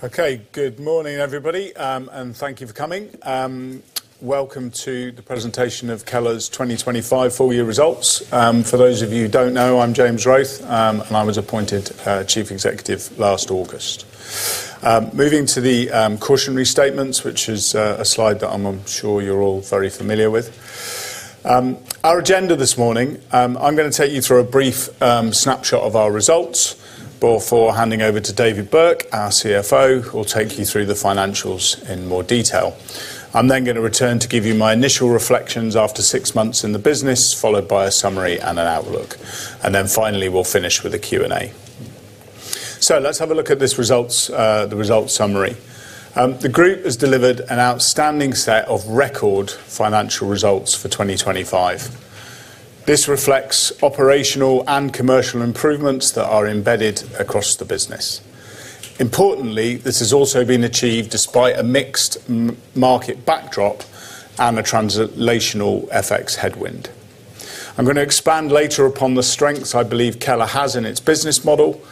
Okay, good morning, everybody, and thank you for coming. Welcome to the presentation of Keller's 2025 full year results. For those of you who don't know, I'm James Wroath, and I was appointed Chief Executive last August. Moving to the cautionary statements, which is a slide that I'm sure you're all very familiar with. Our agenda this morning, I'm gonna take you through a brief snapshot of our results before handing over to David Burke, our CFO, who will take you through the financials in more detail. I'm then gonna return to give you my initial reflections after 6 months in the business, followed by a summary and an outlook. Finally, we'll finish with a Q&A. Let's have a look at this results, the results summary. The group has delivered an outstanding set of record financial results for 2025. This reflects operational and commercial improvements that are embedded across the business. Importantly, this has also been achieved despite a mixed market backdrop and a translational FX headwind. I'm gonna expand later upon the strengths I believe Keller has in its business model.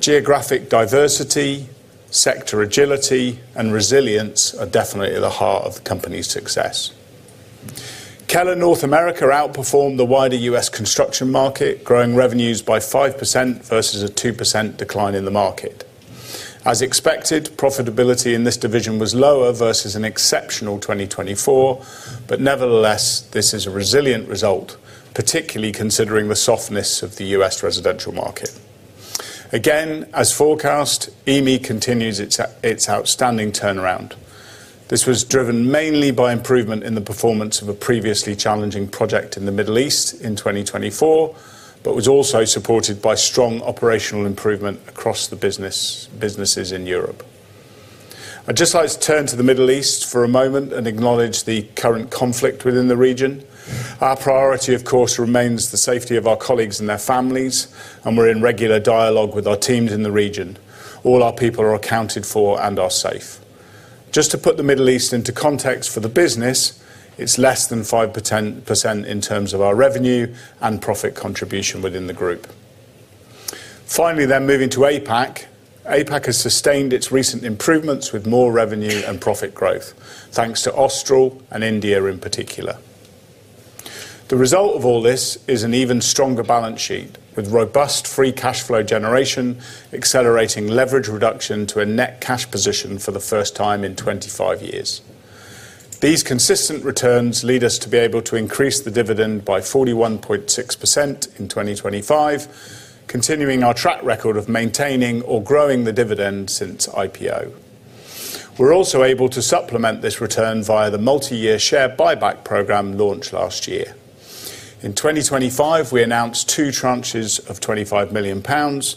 Geographic diversity, sector agility, and resilience are definitely at the heart of the company's success. Keller North America outperformed the wider US construction market, growing revenues by 5% versus a 2% decline in the market. As expected, profitability in this division was lower versus an exceptional 2024. Nevertheless, this is a resilient result, particularly considering the softness of the US residential market. Again, as forecast, EME continues its outstanding turnaround. This was driven mainly by improvement in the performance of a previously challenging project in the Middle East in 2024, but was also supported by strong operational improvement across the businesses in Europe. I'd just like to turn to the Middle East for a moment and acknowledge the current conflict within the region. Our priority, of course, remains the safety of our colleagues and their families, and we're in regular dialogue with our teams in the region. All our people are accounted for and are safe. Just to put the Middle East into context for the business, it's less than 5% in terms of our revenue and profit contribution within the group. Moving to APAC. APAC has sustained its recent improvements with more revenue and profit growth, thanks to Austral and India in particular. The result of all this is an even stronger balance sheet with robust free cash flow generation, accelerating leverage reduction to a net cash position for the first time in 25 years. These consistent returns lead us to be able to increase the dividend by 41.6% in 2025, continuing our track record of maintaining or growing the dividend since IPO. We're also able to supplement this return via the multi-year share buyback program launched last year. In 2025, we announced 2 tranches of 25 million pounds.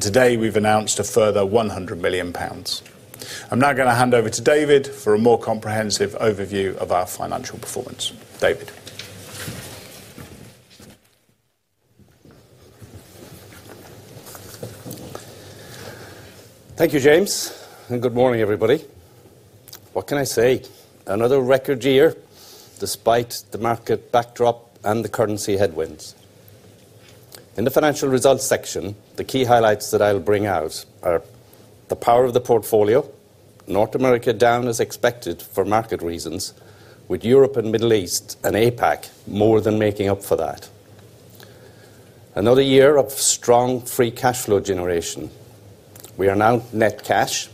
Today we've announced a further 100 million pounds. I'm now gonna hand over to David for a more comprehensive overview of our financial performance. David? Thank you, James. Good morning, everybody. What can I say? Another record year despite the market backdrop and the currency headwinds. In the financial results section, the key highlights that I'll bring out are the power of the portfolio, North America down as expected for market reasons, with Europe and Middle East and APAC more than making up for that. Another year of strong free cash flow generation. We are now net cash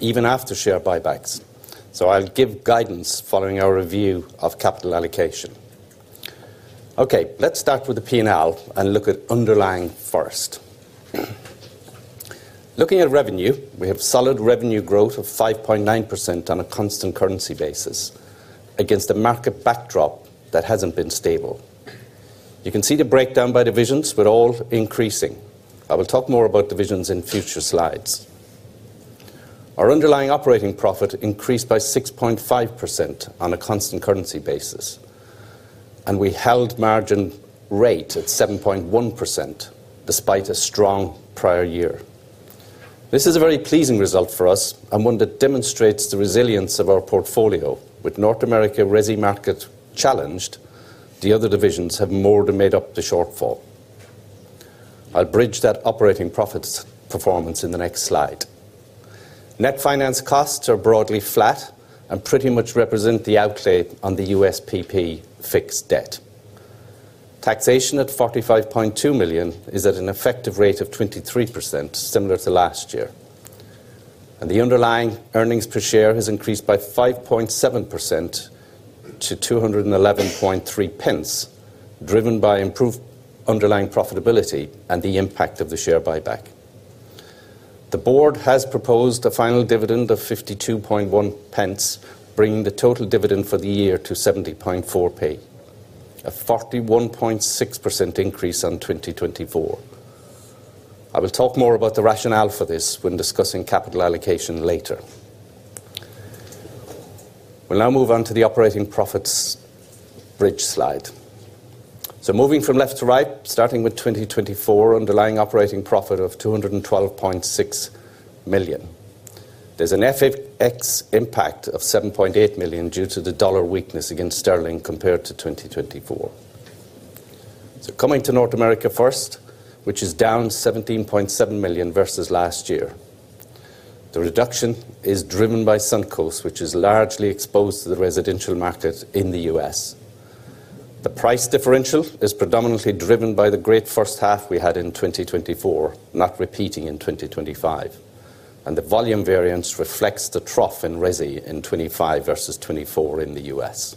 even after share buybacks, so I'll give guidance following our review of capital allocation. Okay, let's start with the P&L and look at underlying first. Looking at revenue, we have solid revenue growth of 5.9% on a constant currency basis against a market backdrop that hasn't been stable. You can see the breakdown by divisions, with all increasing. I will talk more about divisions in future slides. Our underlying operating profit increased by 6.5% on a constant currency basis, and we held margin rate at 7.1% despite a strong prior year. This is a very pleasing result for us and one that demonstrates the resilience of our portfolio. With North America resi market challenged, the other divisions have more than made up the shortfall. I'll bridge that operating profits performance in the next slide. Net finance costs are broadly flat and pretty much represent the outlay on the USPP fixed debt. Taxation at 45.2 million is at an effective rate of 23%, similar to last year. The underlying earnings per share has increased by 5.7% to 211.3 pence, driven by improved underlying profitability and the impact of the share buyback. The board has proposed a final dividend of 52.1 pence, bringing the total dividend for the year to 70.4p, a 41.6% increase on 2024. I will talk more about the rationale for this when discussing capital allocation later. We'll now move on to the operating profits bridge slide. Moving from left to right, starting with 2024, underlying operating profit of 212.6 million. There's an FX impact of 7.8 million due to the dollar weakness against sterling compared to 2024. Coming to North America first, which is down 17.7 million versus last year. The reduction is driven by Suncoast, which is largely exposed to the residential market in the U.S. The price differential is predominantly driven by the great first half we had in 2024, not repeating in 2025. The volume variance reflects the trough in resi in 25 versus 24 in the U.S.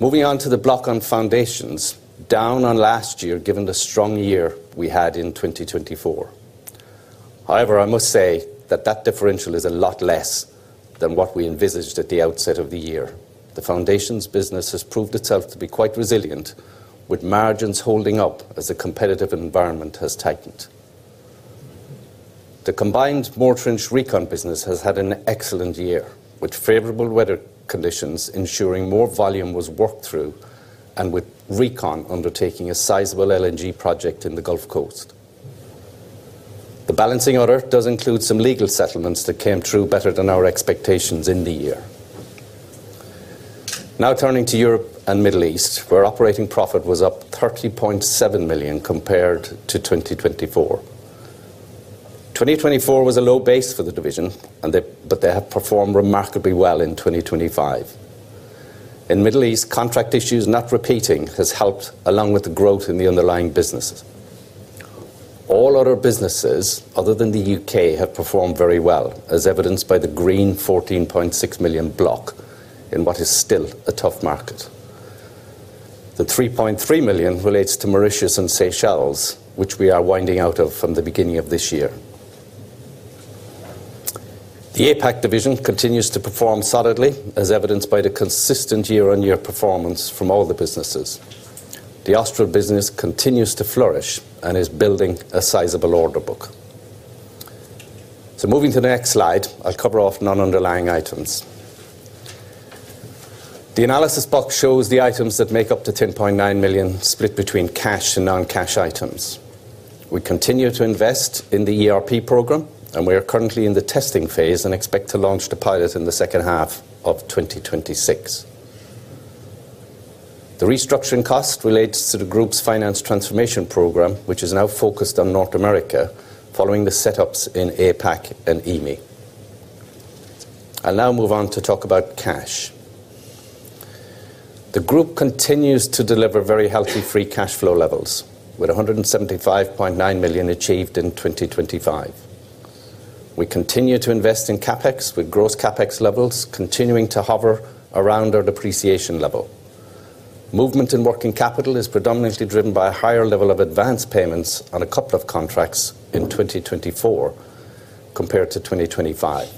Moving on to the block on foundations, down on last year, given the strong year we had in 2024. However, I must say that that differential is a lot less than what we envisaged at the outset of the year. The foundations business has proved itself to be quite resilient, with margins holding up as the competitive environment has tightened. The combined Moretrench RECON business has had an excellent year, with favorable weather conditions ensuring more volume was worked through and with RECON undertaking a sizable LNG project in the Gulf Coast. The balancing order does include some legal settlements that came through better than our expectations in the year. Now turning to Europe and Middle East, where operating profit was up 30.7 million compared to 2024. 2024 was a low base for the division, but they have performed remarkably well in 2025. In Middle East, contract issues not repeating has helped along with the growth in the underlying businesses. All other businesses other than the U.K. have performed very well, as evidenced by the green 14.6 million block in what is still a tough market. The 3.3 million relates to Mauritius and Seychelles, which we are winding out of from the beginning of this year. The APAC division continues to perform solidly, as evidenced by the consistent year-on-year performance from all the businesses. The Austral business continues to flourish and is building a sizable order book. Moving to the next slide, I'll cover off non-underlying items. The analysis box shows the items that make up the 10.9 million split between cash and non-cash items. We continue to invest in the ERP program. We are currently in the testing phase and expect to launch the pilot in the second half of 2026. The restructuring cost relates to the group's finance transformation program, which is now focused on North America, following the setups in APAC and EME. I'll now move on to talk about cash. The group continues to deliver very healthy free cash flow levels with 175.9 million achieved in 2025. We continue to invest in CapEx, with gross CapEx levels continuing to hover around our depreciation level. Movement in working capital is predominantly driven by a higher level of advanced payments on a couple of contracts in 2024 compared to 2025.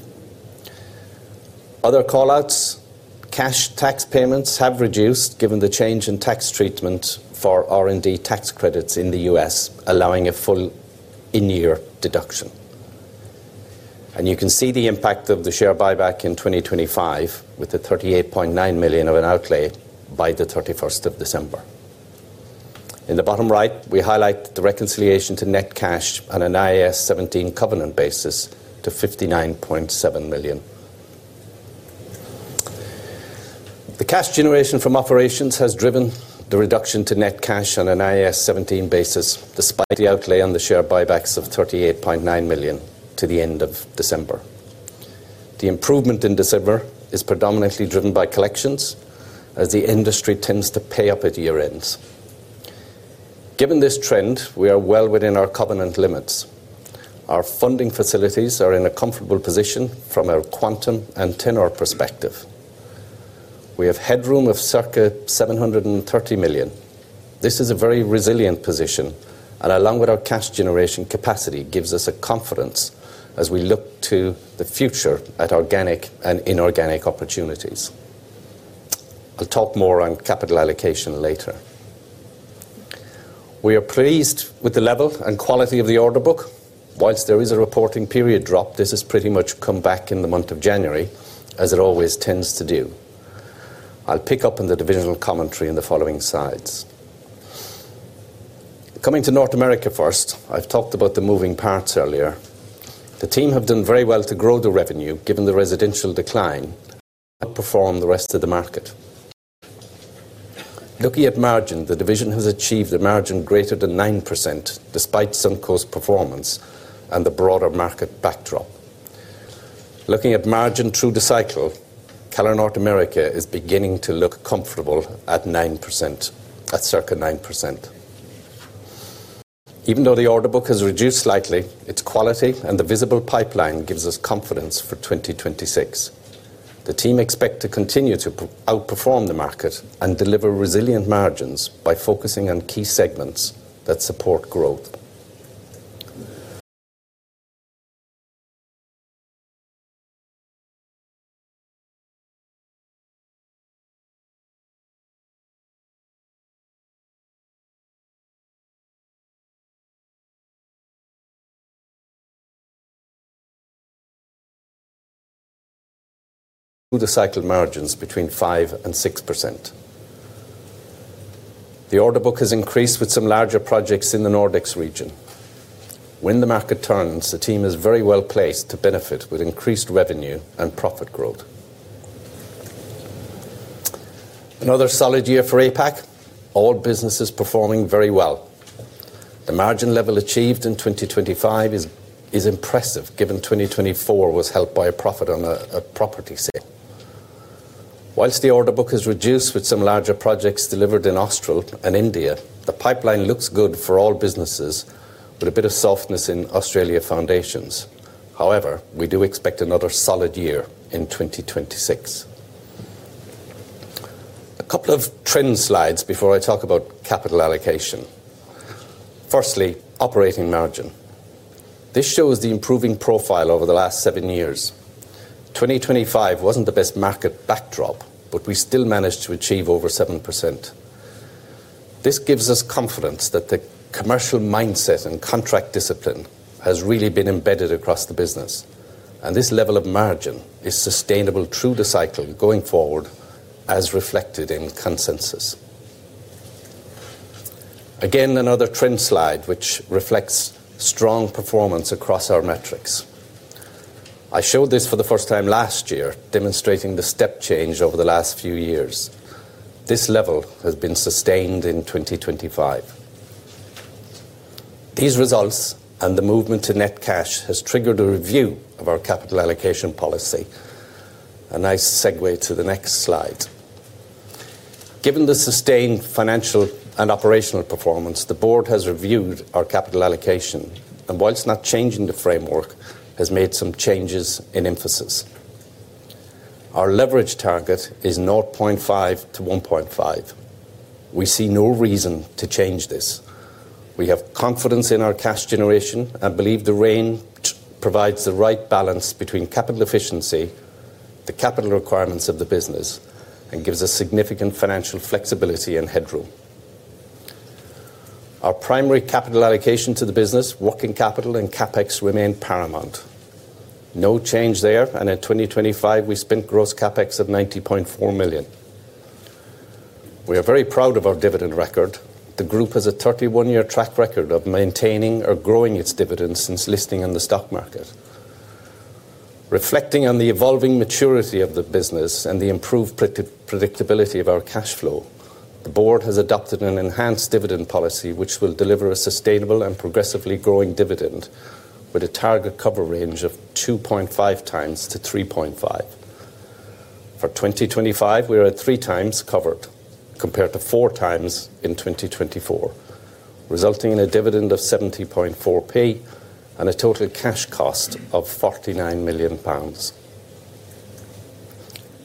Other call-outs, cash tax payments have reduced given the change in tax treatment for R&D tax credits in the US, allowing a full in-year deduction. You can see the impact of the share buyback in 2025 with the 38.9 million of an outlay by the 31st of December. In the bottom right, we highlight the reconciliation to net cash on an IAS 17 covenant basis to 59.7 million. The cash generation from operations has driven the reduction to net cash on an IAS 17 basis, despite the outlay on the share buybacks of 38.9 million to the end of December. The improvement in December is predominantly driven by collections, as the industry tends to pay up at year-ends. Given this trend, we are well within our covenant limits. Our funding facilities are in a comfortable position from a quantum and tenor perspective. We have headroom of circa 730 million. This is a very resilient position, and along with our cash generation capacity, gives us a confidence as we look to the future at organic and inorganic opportunities. I'll talk more on capital allocation later. We are pleased with the level and quality of the order book. Whilst there is a reporting period drop, this has pretty much come back in the month of January, as it always tends to do. I'll pick up in the divisional commentary in the following slides. Coming to North America first, I've talked about the moving parts earlier. The team have done very well to grow the revenue, given the residential decline, outperform the rest of the market. Looking at margin, the division has achieved a margin greater than 9% despite Suncoast performance and the broader market backdrop. Looking at margin through the cycle, Keller North America is beginning to look comfortable at 9%, at circa 9%. Even though the order book has reduced slightly, its quality and the visible pipeline gives us confidence for 2026. The team expect to continue to outperform the market and deliver resilient margins by focusing on key segments that support growth. Through the cycle margins between 5% and 6%. The order book has increased with some larger projects in the Nordics region. When the market turns, the team is very well-placed to benefit with increased revenue and profit growth. Another solid year for APAC, all businesses performing very well. The margin level achieved in 2025 is impressive, given 2024 was helped by a profit on a property sale. The order book has reduced with some larger projects delivered in Austral and India, the pipeline looks good for all businesses with a bit of softness in Australia foundations. However, we do expect another solid year in 2026. A couple of trend slides before I talk about capital allocation. Firstly, operating margin. This shows the improving profile over the last seven years. 2025 wasn't the best market backdrop, but we still managed to achieve over 7%. This gives us confidence that the commercial mindset and contract discipline has really been embedded across the business, and this level of margin is sustainable through the cycle going forward, as reflected in consensus. Again, another trend slide which reflects strong performance across our metrics. I showed this for the first time last year, demonstrating the step change over the last few years. This level has been sustained in 2025. These results and the movement to net cash has triggered a review of our capital allocation policy. A nice segue to the next slide. Given the sustained financial and operational performance, the board has reviewed our capital allocation, and whilst not changing the framework, has made some changes in emphasis. Our leverage target is 0.5-1.5. We see no reason to change this. We have confidence in our cash generation and believe the range provides the right balance between capital efficiency, the capital requirements of the business, and gives us significant financial flexibility and headroom. Our primary capital allocation to the business, working capital and CapEx remain paramount. No change there. In 2025, we spent gross CapEx of 90.4 million. We are very proud of our dividend record. The group has a 31-year track record of maintaining or growing its dividend since listing in the stock market. Reflecting on the evolving maturity of the business and the improved predictability of our cash flow, the board has adopted an enhanced dividend policy which will deliver a sustainable and progressively growing dividend with a target cover range of 2.5x to 3.5x. For 2025, we are at 3x covered compared to 4x in 2024, resulting in a dividend of 0.704 and a total cash cost of 49 million pounds.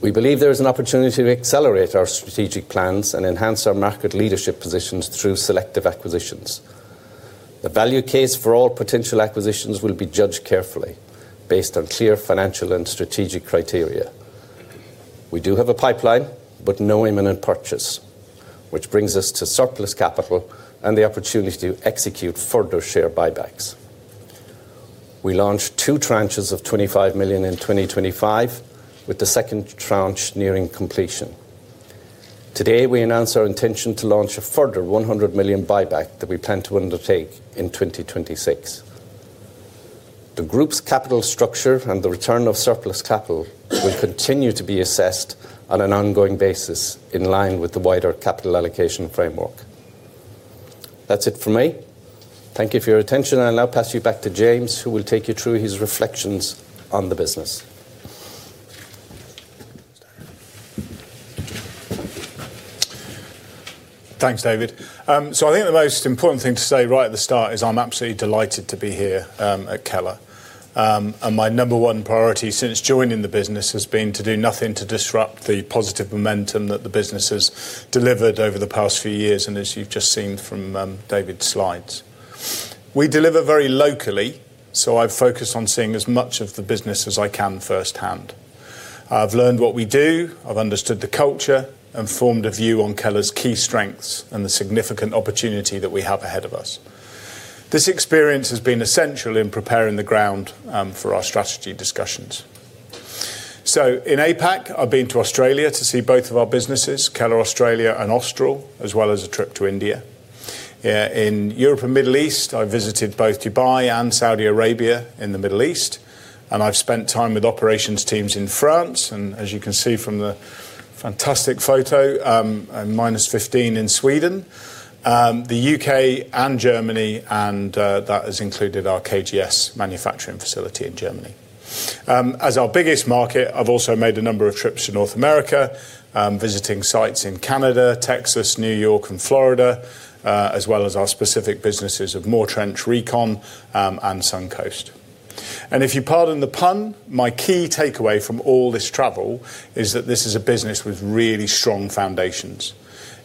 We believe there is an opportunity to accelerate our strategic plans and enhance our market leadership positions through selective acquisitions. The value case for all potential acquisitions will be judged carefully based on clear financial and strategic criteria. We do have a pipeline, but no imminent purchase, which brings us to surplus capital and the opportunity to execute further share buybacks. We launched two tranches of 25 million in 2025, with the second tranche nearing completion. Today, we announce our intention to launch a further 100 million buyback that we plan to undertake in 2026. The group's capital structure and the return of surplus capital will continue to be assessed on an ongoing basis in line with the wider capital allocation framework. That's it for me. Thank you for your attention. I'll now pass you back to James, who will take you through his reflections on the business. Thanks, David. I think the most important thing to say right at the start is I'm absolutely delighted to be here at Keller. My number one priority since joining the business has been to do nothing to disrupt the positive momentum that the business has delivered over the past few years, and as you've just seen from David's slides. We deliver very locally, so I've focused on seeing as much of the business as I can firsthand. I've learned what we do, I've understood the culture, and formed a view on Keller's key strengths and the significant opportunity that we have ahead of us. This experience has been essential in preparing the ground for our strategy discussions. In APAC, I've been to Australia to see both of our businesses, Keller Australia and Austral, as well as a trip to India. In Europe and Middle East, I visited both Dubai and Saudi Arabia in the Middle East, I've spent time with operations teams in France, as you can see from the fantastic photo, in -15 in Sweden, the UK and Germany, that has included our KGS manufacturing facility in Germany. As our biggest market, I've also made a number of trips to North America, visiting sites in Canada, Texas, New York and Florida, as well as our specific businesses of Moretrench RECON and Suncoast. If you pardon the pun, my key takeaway from all this travel is that this is a business with really strong foundations.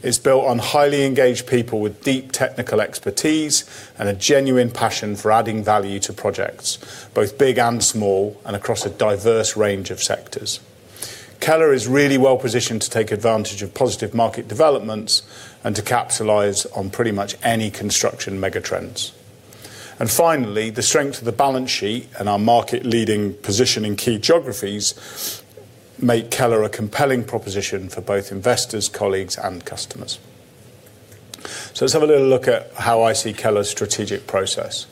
It's built on highly engaged people with deep technical expertise and a genuine passion for adding value to projects, both big and small, and across a diverse range of sectors. Keller is really well positioned to take advantage of positive market developments and to capitalize on pretty much any construction megatrends. Finally, the strength of the balance sheet and our market-leading position in key geographies make Keller a compelling proposition for both investors, colleagues, and customers. Let's have a little look at how I see Keller's strategic process.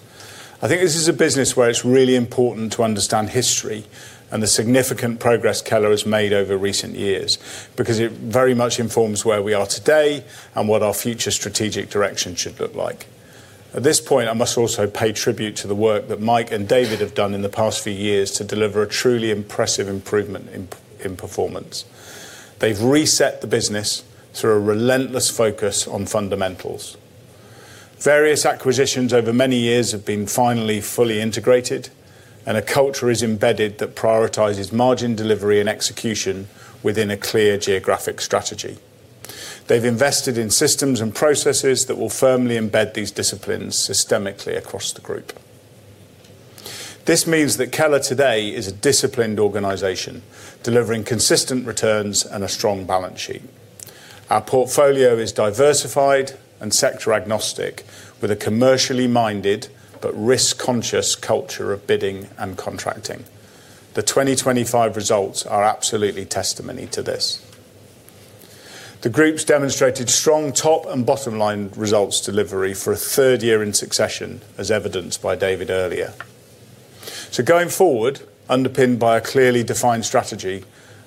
I think this is a business where it's really important to understand history and the significant progress Keller has made over recent years, because it very much informs where we are today and what our future strategic direction should look like. At this point, I must also pay tribute to the work that Mike and David have done in the past few years to deliver a truly impressive improvement in performance. They've reset the business through a relentless focus on fundamentals. Various acquisitions over many years have been finally fully integrated, and a culture is embedded that prioritizes margin delivery and execution within a clear geographic strategy. They've invested in systems and processes that will firmly embed these disciplines systemically across the group. This means that Keller today is a disciplined organization, delivering consistent returns and a strong balance sheet. Our portfolio is diversified and sector agnostic with a commercially minded but risk-conscious culture of bidding and contracting. The 2025 results are absolutely testimony to this. The Group demonstrated strong top and bottom-line results delivery for a third year in succession, as evidenced by David earlier. Going forward, underpinned by a clearly defined strategy,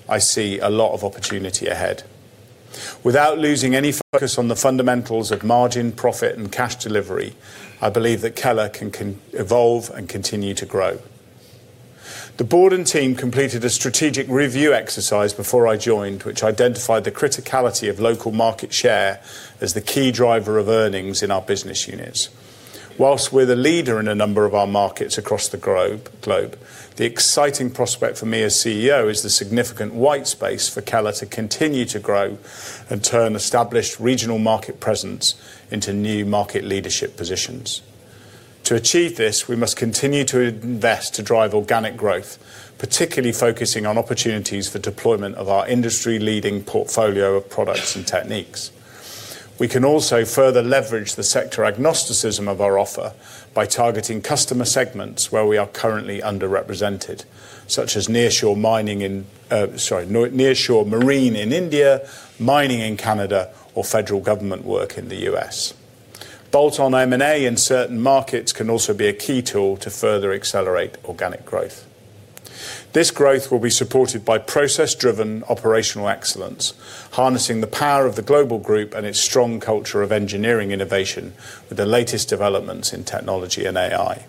I see a lot of opportunity ahead. Without losing any focus on the fundamentals of margin, profit, and cash delivery, I believe that Keller can evolve and continue to grow. The board and team completed a strategic review exercise before I joined, which identified the criticality of local market share as the key driver of earnings in our business units. Whilst we're the leader in a number of our markets across the globe, the exciting prospect for me as CEO is the significant white space for Keller to continue to grow and turn established regional market presence into new market leadership positions. To achieve this, we must continue to invest to drive organic growth, particularly focusing on opportunities for deployment of our industry-leading portfolio of products and techniques. We can also further leverage the sector agnosticism of our offer by targeting customer segments where we are currently underrepresented, such as nearshore marine in India, mining in Canada, or federal government work in the U.S. Bolt-on M&A in certain markets can also be a key tool to further accelerate organic growth. This growth will be supported by process-driven operational excellence, harnessing the power of the global group and its strong culture of engineering innovation with the latest developments in technology and AI.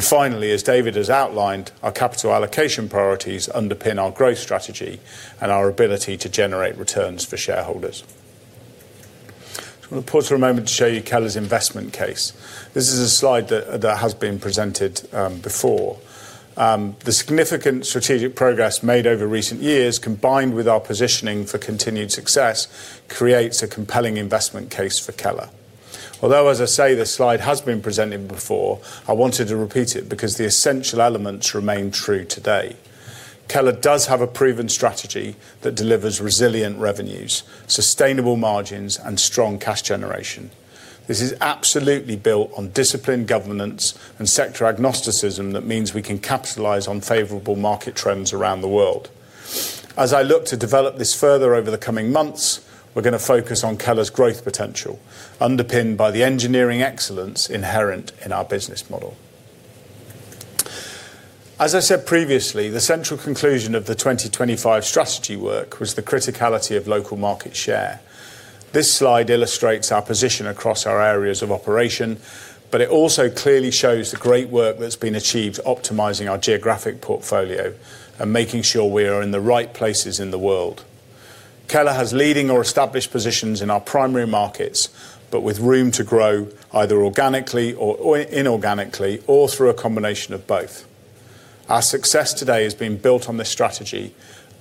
Finally, as David has outlined, our capital allocation priorities underpin our growth strategy and our ability to generate returns for shareholders. Just wanna pause for a moment to show you Keller's investment case. This is a slide that has been presented before. The significant strategic progress made over recent years, combined with our positioning for continued success, creates a compelling investment case for Keller. Although, as I say, this slide has been presented before, I wanted to repeat it because the essential elements remain true today. Keller does have a proven strategy that delivers resilient revenues, sustainable margins, and strong cash generation. This is absolutely built on disciplined governance and sector agnosticism that means we can capitalize on favorable market trends around the world. As I look to develop this further over the coming months, we're gonna focus on Keller's growth potential, underpinned by the engineering excellence inherent in our business model. As I said previously, the central conclusion of the 2025 strategy work was the criticality of local market share. This slide illustrates our position across our areas of operation, but it also clearly shows the great work that's been achieved optimizing our geographic portfolio and making sure we are in the right places in the world. Keller has leading or established positions in our primary markets, but with room to grow either organically or inorganically or through a combination of both. Our success today has been built on this strategy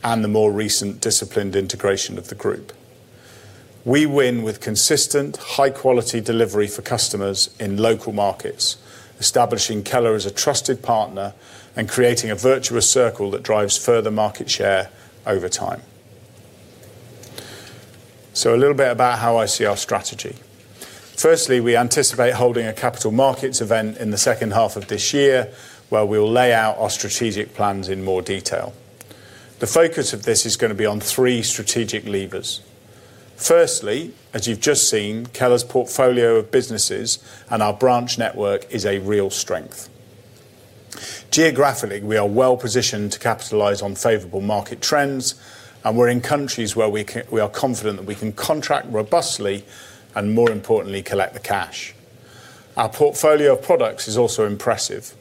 and the more recent disciplined integration of the group. We win with consistent high-quality delivery for customers in local markets, establishing Keller as a trusted partner and creating a virtuous circle that drives further market share over time. A little bit about how I see our strategy. Firstly, we anticipate holding a capital markets event in the second half of this year, where we will lay out our strategic plans in more detail. The focus of this is gonna be on three strategic levers. Firstly, as you've just seen, Keller's portfolio of businesses and our branch network is a real strength. Geographically, we are well-positioned to capitalize on favorable market trends, and we're in countries where we are confident that we can contract robustly and more importantly, collect the cash. Our portfolio of products is also impressive.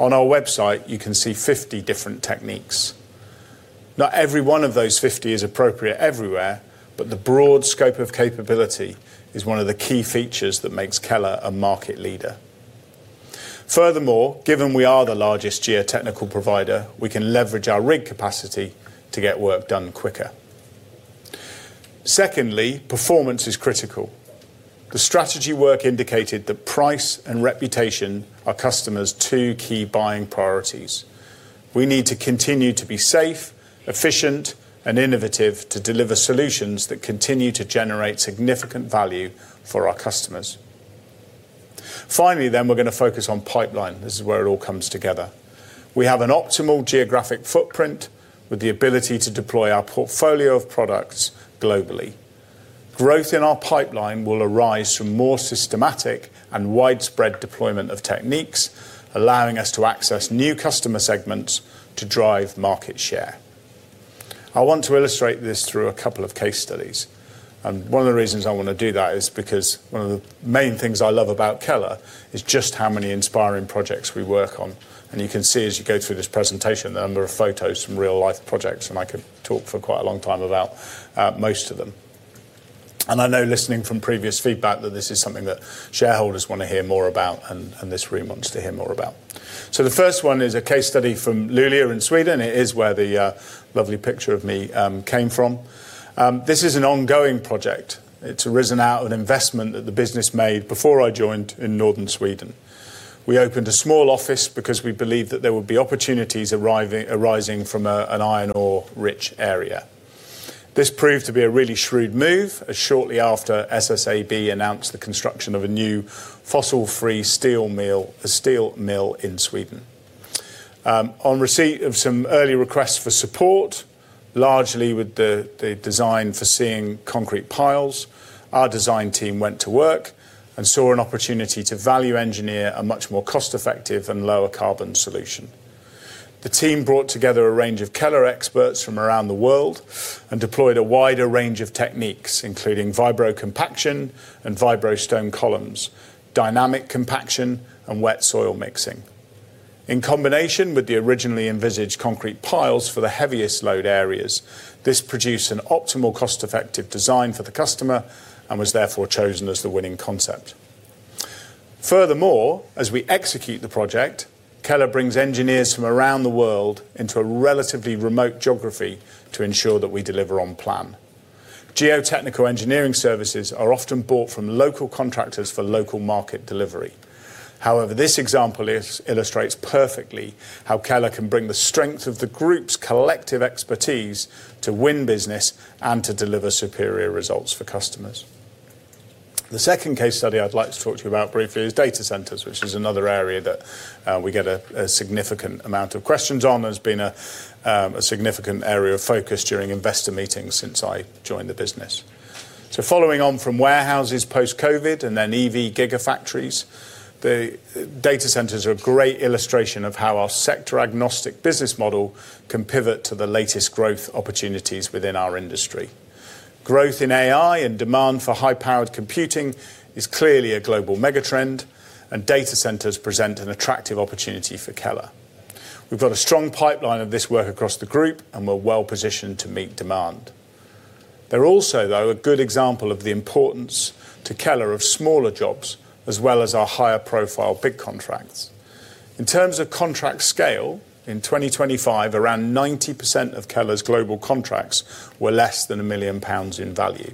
On our website, you can see 50 different techniques. Not every one of those 50 is appropriate everywhere, but the broad scope of capability is one of the key features that makes Keller a market leader. Given we are the largest geotechnical provider, we can leverage our rig capacity to get work done quicker. Performance is critical. The strategy work indicated that price and reputation are customers' 2 key buying priorities. We need to continue to be safe, efficient, and innovative to deliver solutions that continue to generate significant value for our customers. Finally, we're gonna focus on pipeline. This is where it all comes together. We have an optimal geographic footprint with the ability to deploy our portfolio of products globally. Growth in our pipeline will arise from more systematic and widespread deployment of techniques, allowing us to access new customer segments to drive market share. I want to illustrate this through a couple of case studies, one of the reasons I wanna do that is because one of the main things I love about Keller is just how many inspiring projects we work on. You can see as you go through this presentation, there are a number of photos from real-life projects, I could talk for quite a long time about most of them. I know listening from previous feedback that this is something that shareholders wanna hear more about and this room wants to hear more about. The first one is a case study from Luleå in Sweden. It is where the lovely picture of me came from. This is an ongoing project. It's arisen out of an investment that the business made before I joined in Northern Sweden. We opened a small office because we believed that there would be opportunities arising from an iron ore rich area. This proved to be a really shrewd move as shortly after SSAB announced the construction of a new fossil-free steel mill in Sweden. On receipt of some early requests for support, largely with the design for seeing concrete piles, our design team went to work and saw an opportunity to value engineer a much more cost-effective and lower carbon solution. The team brought together a range of Keller experts from around the world and deployed a wider range of techniques, including vibro compaction and vibro stone columns, dynamic compaction and wet soil mixing. In combination with the originally envisaged concrete piles for the heaviest load areas, this produced an optimal cost-effective design for the customer and was therefore chosen as the winning concept. Furthermore, as we execute the project, Keller brings engineers from around the world into a relatively remote geography to ensure that we deliver on plan. Geotechnical engineering services are often bought from local contractors for local market delivery. However, this example illustrates perfectly how Keller can bring the strength of the group's collective expertise to win business and to deliver superior results for customers. The second case study I'd like to talk to you about briefly is data centers, which is another area that we get a significant amount of questions on. Has been a significant area of focus during investor meetings since I joined the business. Following on from warehouses post-COVID and then EV gigafactories, the data centers are a great illustration of how our sector-agnostic business model can pivot to the latest growth opportunities within our industry. Growth in AI and demand for high-powered computing is clearly a global mega trend, and data centers present an attractive opportunity for Keller. We've got a strong pipeline of this work across the group, and we're well-positioned to meet demand. They're also, though, a good example of the importance to Keller of smaller jobs, as well as our higher profile big contracts. In terms of contract scale, in 2025, around 90% of Keller's global contracts were less than 1 million pounds in value,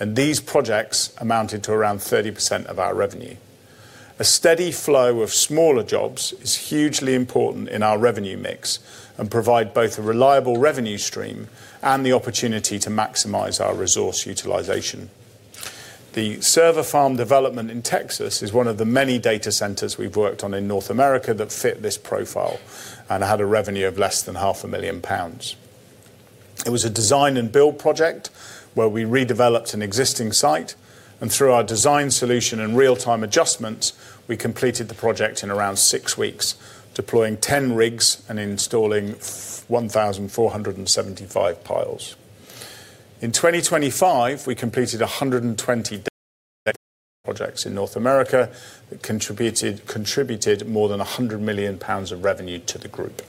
and these projects amounted to around 30% of our revenue. A steady flow of smaller jobs is hugely important in our revenue mix and provide both a reliable revenue stream and the opportunity to maximize our resource utilization. The server farm development in Texas is one of the many data centers we've worked on in North America that fit this profile and had a revenue of less than half a million pounds. It was a design and build project where we redeveloped an existing site, and through our design solution and real-time adjustments, we completed the project in around 6 weeks, deploying 10 rigs and installing 1,475 piles. In 2025, we completed 120 data projects in North America that contributed more than 100 million pounds of revenue to the group.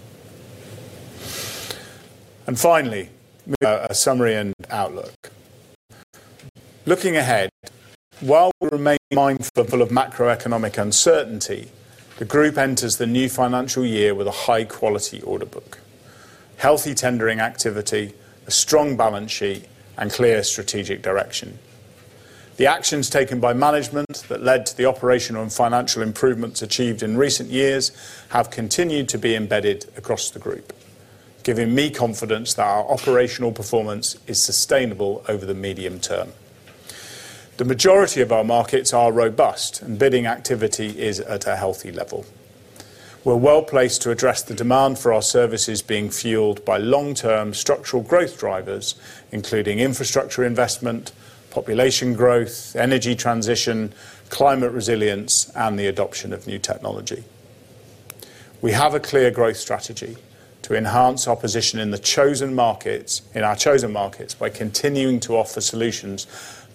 Finally, a summary and outlook. Looking ahead, while we remain mindful of macroeconomic uncertainty, the group enters the new financial year with a high-quality order book, healthy tendering activity, a strong balance sheet, and clear strategic direction. The actions taken by management that led to the operational and financial improvements achieved in recent years have continued to be embedded across the group, giving me confidence that our operational performance is sustainable over the medium term. The majority of our markets are robust and bidding activity is at a healthy level. We're well-placed to address the demand for our services being fueled by long-term structural growth drivers, including infrastructure investment, population growth, energy transition, climate resilience, and the adoption of new technology. We have a clear growth strategy to enhance our position in our chosen markets by continuing to offer solutions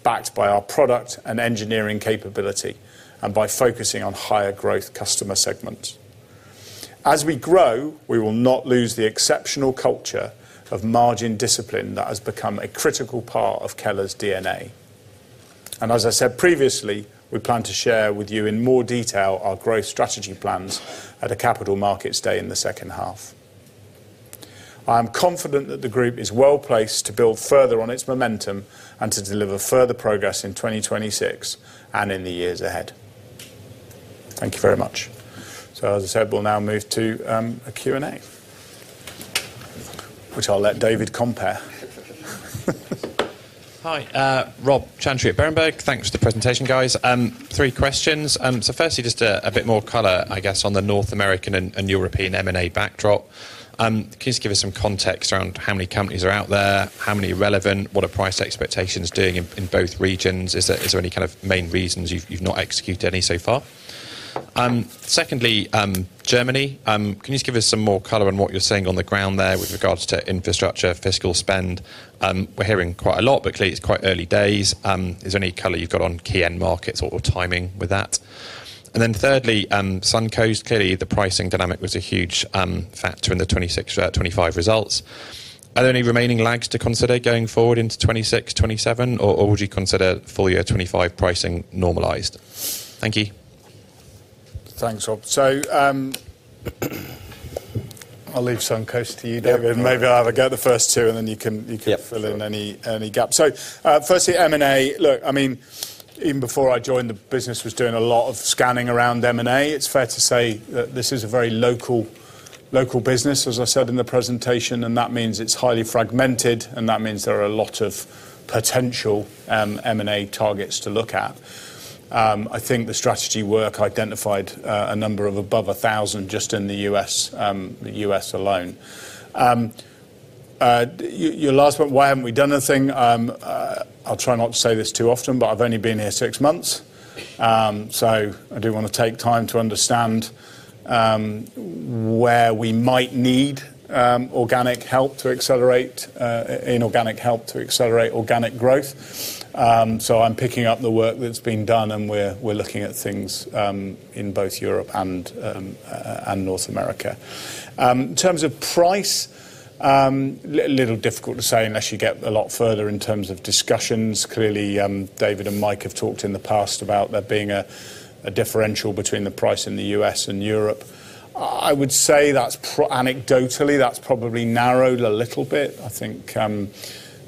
backed by our product and engineering capability and by focusing on higher growth customer segments. As we grow, we will not lose the exceptional culture of margin discipline that has become a critical part of Keller's DNA. As I said previously, we plan to share with you in more detail our growth strategy plans at a capital markets day in the second half. I am confident that the group is well-placed to build further on its momentum and to deliver further progress in 2026 and in the years ahead. Thank you very much. As I said, we'll now move to a Q&A, which I'll let David compare. Hi, Rob Chantry at Berenberg. Thanks for the presentation, guys. Three questions. Firstly, just a bit more color, I guess, on the North American and European M&A backdrop. Can you just give us some context around how many companies are out there? How many are relevant? What are price expectations doing in both regions? Is there any kind of main reasons you've not executed any so far? Secondly, Germany. Can you just give us some more color on what you're seeing on the ground there with regards to infrastructure, fiscal spend? We're hearing quite a lot, but clearly it's quite early days. Is there any color you've got on key end markets or timing with that? Thirdly, Suncoast. Clearly, the pricing dynamic was a huge factor in the 2025 results. Are there any remaining lags to consider going forward into 2026, 2027, or would you consider full year 2025 pricing normalized? Thank you. Thanks, Rob. I'll leave Suncoast to you, David. Maybe I'll have a go at the first two, you can. Yeah. Sure. fill in any gaps. Firstly, M&A. Look, I mean, even before I joined, the business was doing a lot of scanning around M&A. It's fair to say that this is a very local business, as I said in the presentation, and that means it's highly fragmented, and that means there are a lot of potential M&A targets to look at. I think the strategy work identified a number of above 1,000 just in the U.S., the U.S. alone. Your last point, why haven't we done anything? I'll try not to say this too often, but I've only been here six months. I do wanna take time to understand where we might need organic help to accelerate inorganic help to accelerate organic growth. I'm picking up the work that's been done, and we're looking at things in both Europe and North America. In terms of price, little difficult to say unless you get a lot further in terms of discussions. Clearly, David and Mike have talked in the past about there being a differential between the price in the U.S. and Europe. I would say that's anecdotally, that's probably narrowed a little bit. I think,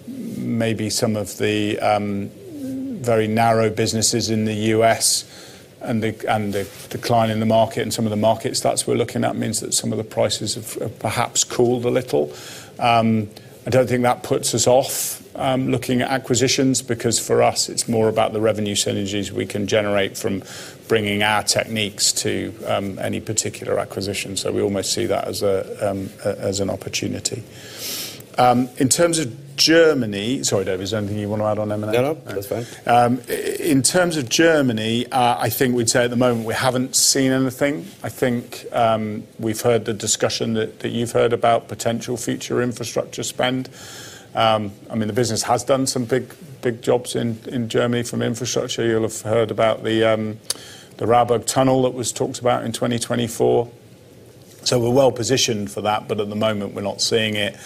maybe some of the very narrow businesses in the U.S. and the decline in the market and some of the market starts we're looking at means that some of the prices have perhaps cooled a little. I don't think that puts us off, looking at acquisitions because for us it's more about the revenue synergies we can generate from bringing our techniques to any particular acquisition. We almost see that as an opportunity. In terms of Germany, sorry, David, is there anything you want to add on M&A? No, no. That's fine. In terms of Germany, I think we'd say at the moment we haven't seen anything. I think, we've heard the discussion that you've heard about potential future infrastructure spend. I mean, the business has done some big, big jobs in Germany from infrastructure. You'll have heard about the Rauheberg Tunnel that was talked about in 2024. We're well positioned for that, but at the moment we're not seeing it.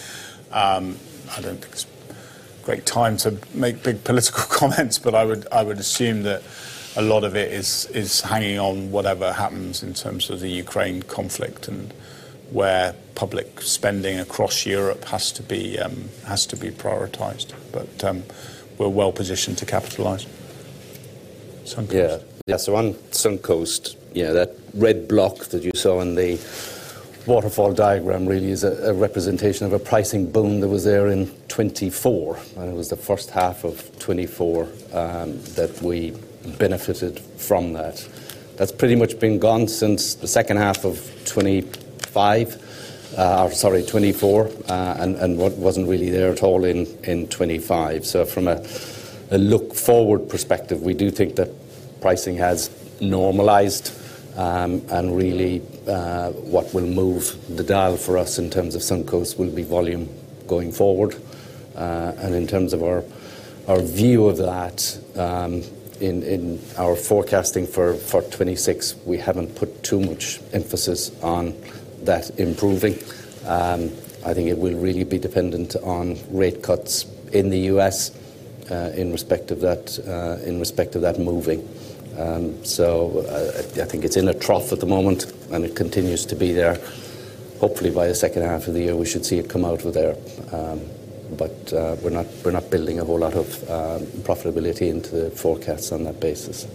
I don't think it's a great time to make big political comments, but I would assume that a lot of it is hanging on whatever happens in terms of the Ukraine conflict and where public spending across Europe has to be, has to be prioritized. We're well positioned to capitalize. Suncoast. Yeah. Yeah. On Suncoast, yeah, that red block that you saw in the waterfall diagram really is a representation of a pricing boom that was there in 2024. It was the first half of 2024 that we benefited from that. That's pretty much been gone since the second half of 2025, sorry, 2024, and wasn't really there at all in 2025. From a look-forward perspective, we do think that pricing has normalized, and really what will move the dial for us in terms of Suncoast will be volume going forward. In terms of our view of that, in our forecasting for 2026, we haven't put too much emphasis on that improving. I think it will really be dependent on rate cuts in the U.S., in respect of that moving. I think it's in a trough at the moment, and it continues to be there. Hopefully, by the second half of the year, we should see it come out of there. We're not building a whole lot of profitability into the forecast on that basis.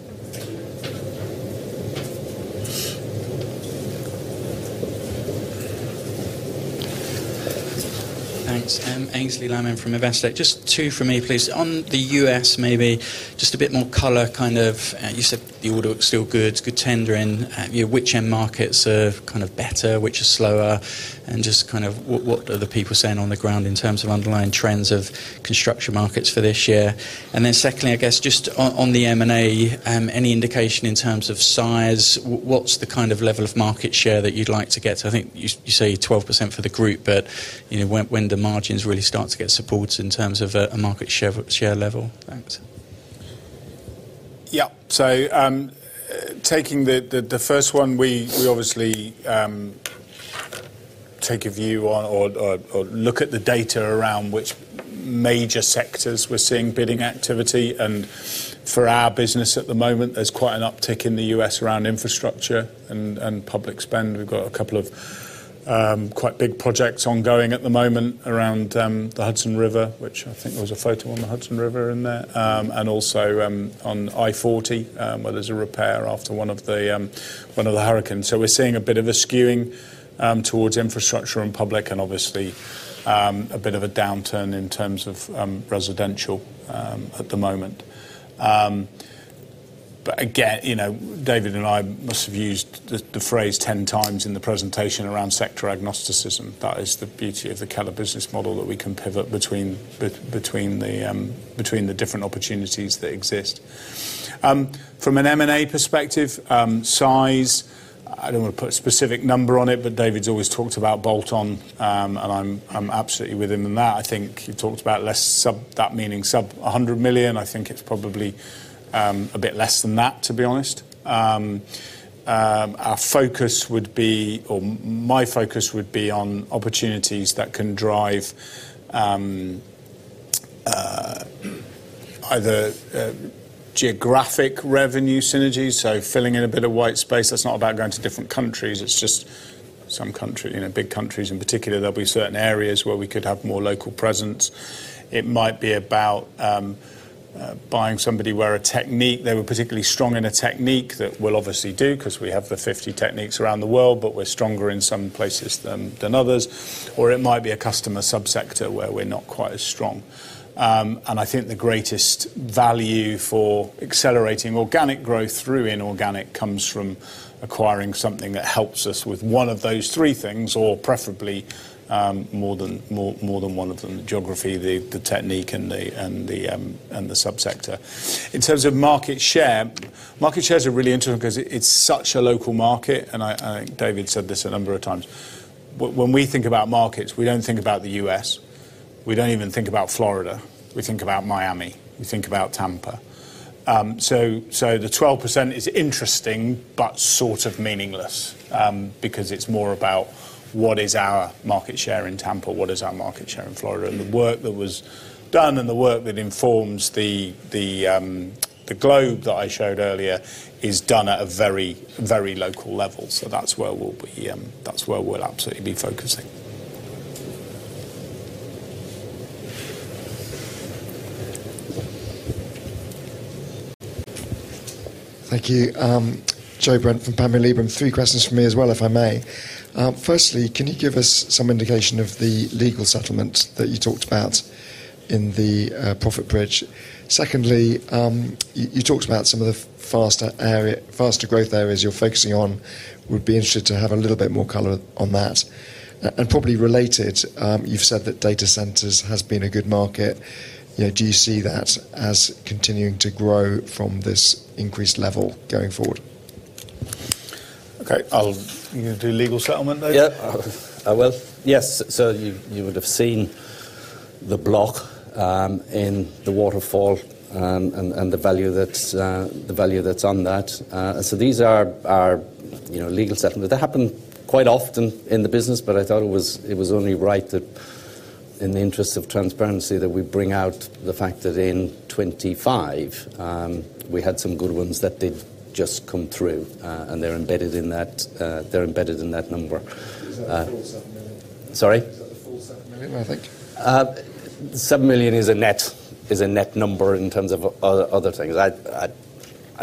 Thanks. Aynsley Lammin from Investec. Just two from me, please. On the U.S. maybe, just a bit more color, you said the order looks still good tendering. Which end markets are better, which are slower? Just what are the people saying on the ground in terms of underlying trends of construction markets for this year? Secondly, I guess just on the M&A, any indication in terms of size? What's the level of market share that you'd like to get? I think you say 12% for the group, but, you know, when do margins really start to get support in terms of a market share level? Thanks. Taking the first one, we obviously take a view on or look at the data around which major sectors we're seeing bidding activity. For our business at the moment, there's quite an uptick in the U.S. around infrastructure and public spend. We've got a couple of quite big projects ongoing at the moment around the Hudson River, which I think there was a photo on the Hudson River in there. Also on I-40, where there's a repair after one of the hurricanes. We're seeing a bit of a skewing towards infrastructure and public, obviously a bit of a downturn in terms of residential at the moment. Again, you know, David and I must have used the phrase 10x in the presentation around sector agnosticism. That is the beauty of the Keller business model that we can pivot between the different opportunities that exist. From an M&A perspective, size, I don't wanna put a specific number on it, but David's always talked about bolt-on, and I'm absolutely with him in that. I think he talked about less sub... That meaning sub-GBP 100 million. I think it's probably a bit less than that, to be honest. Our focus would be, or my focus would be on opportunities that can drive either geographic revenue synergies, so filling in a bit of white space. That's not about going to different countries, it's just some country, you know, big countries in particular, there'll be certain areas where we could have more local presence. It might be about buying somebody where they were particularly strong in a technique that we'll obviously do 'cause we have the 50 techniques around the world, but we're stronger in some places than others. It might be a customer subsector where we're not quite as strong. I think the greatest value for accelerating organic growth through inorganic comes from acquiring something that helps us with one of those three things, or preferably, more than one of them, the geography, the technique, and the subsector. In terms of market share, market share is really interesting 'cause it's such a local market, and I think David said this a number of times. When we think about markets, we don't think about the U.S., we don't even think about Florida. We think about Miami. We think about Tampa. The 12% is interesting but sort of meaningless because it's more about what is our market share in Tampa, what is our market share in Florida. The work that was done and the work that informs the globe that I showed earlier is done at a very, very local level. That's where we'll be, that's where we'll absolutely be focusing. Thank you. Joe Brent from Panmure Liberum. Three questions from me as well, if I may. Firstly, can you give us some indication of the legal settlement that you talked about in the profit bridge? Secondly, you talked about some of the faster growth areas you're focusing on. Would be interested to have a little bit more color on that. Probably related, you've said that data centers has been a good market. You know, do you see that as continuing to grow from this increased level going forward? Okay. You gonna do legal settlement, David? Yeah. I will. Yes. You, you would have seen the block in the waterfall and the value that's the value that's on that. These are our, you know, legal settlements. They happen quite often in the business, but I thought it was only right that in the interest of transparency, that we bring out the fact that in 2025, we had some good ones that did just come through, and they're embedded in that, they're embedded in that number. Is that the full GBP 7 million? Sorry? Is that the full 7 million I think? 7 million is a net number in terms of other things. I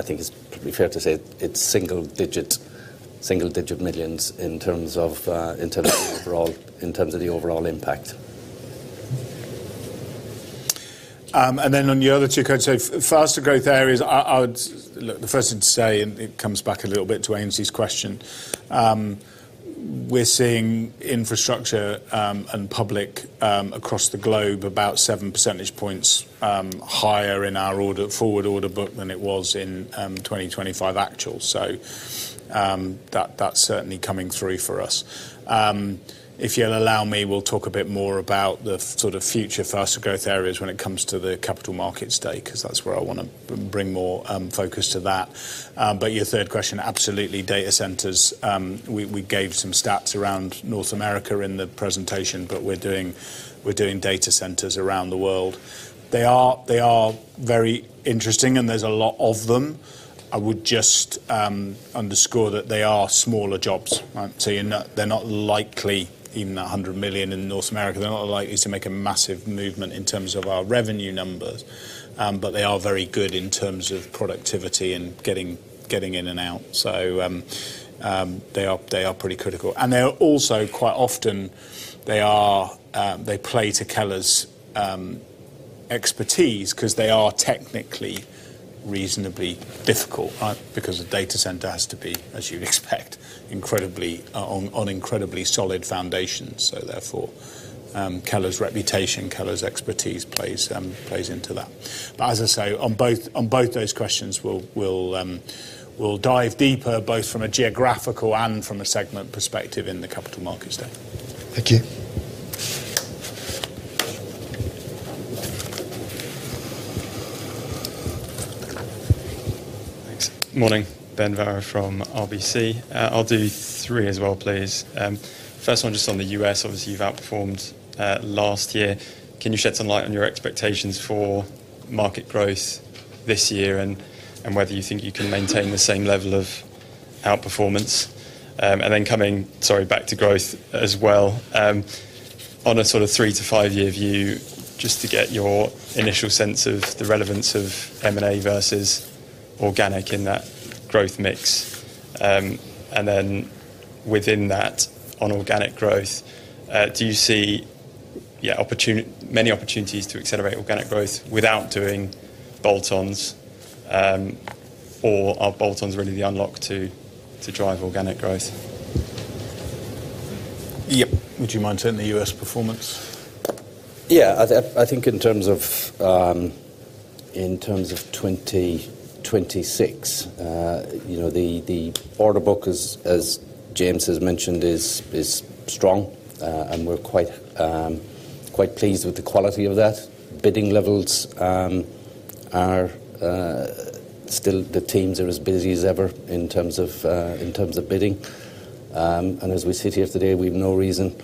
think it's pretty fair to say it's single-digit millions in terms of the overall impact. Then on the other two, can I say faster growth areas, the first thing to say, and it comes back a little bit to Andy Murphy's question. We're seeing infrastructure, and public, across the globe about 7 percentage points higher in our forward order book than it was in 2025 actual. That, that's certainly coming through for us. If you'll allow me, we'll talk a bit more about the future faster growth areas when it comes to the capital market state, 'cause that's where I wanna bring more focus to that. Your third question, absolutely, data centers, we gave some stats around North America in the presentation, but we're doing data centers around the world. They are very interesting and there's a lot of them. I would just underscore that they are smaller jobs. Right? They're not likely, even $100 million in North America, they're not likely to make a massive movement in terms of our revenue numbers. They are very good in terms of productivity and getting in and out. They are pretty critical. They are also quite often, they play to Keller's expertise 'cause they are technically reasonably difficult, because a data center has to be, as you'd expect, incredibly solid foundations. Therefore, Keller's reputation, Keller's expertise plays into that. As I say, on both those questions, we'll dive deeper both from a geographical and from a segment perspective in the capital markets data. Thank you. Thanks. Morning. Ben Heelan from RBC. I'll do three as well, please. First one just on the U.S. Obviously, you've outperformed last year. Can you shed some light on your expectations for market growth this year and whether you think you can maintain the same level of outperformance? Coming, sorry, back to growth as well, on a sort of 3-5 year view, just to get your initial sense of the relevance of M&A versus organic in that growth mix. Within that, on organic growth, do you see Yeah, many opportunities to accelerate organic growth without doing bolt-ons, or are bolt-ons really the unlock to drive organic growth? Yep. Would you mind turning to U.S. performance? Yeah. I think in terms of, in terms of 2026, you know, the order book as James has mentioned is strong. We're quite pleased with the quality of that. Bidding levels are still the teams are as busy as ever in terms of in terms of bidding. As we sit here today, we've no reason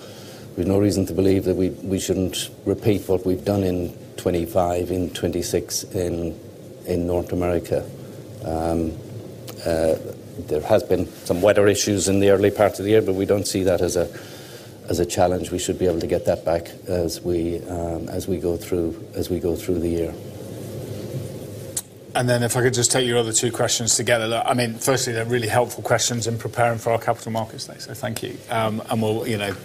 to believe that we shouldn't repeat what we've done in 2025, in 2026 in North America. There has been some weather issues in the early part of the year, but we don't see that as a challenge. We should be able to get that back as we go through the year. If I could just take your other two questions together. I mean, firstly, they're really helpful questions in preparing for our capital markets day. Thank you. We'll, you know,